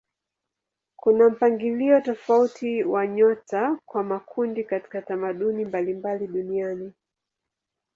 Kuna mpangilio tofauti wa nyota kwa makundi katika tamaduni mbalimbali duniani.